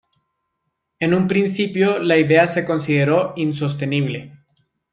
En un principio, la idea se consideró insostenible.